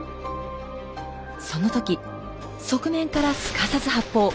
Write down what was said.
その時側面からすかさず発砲。